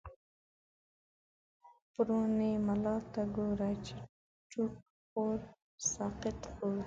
پرو ني ملا ته ګوره، چی ټو ک خور و سقا ط خورو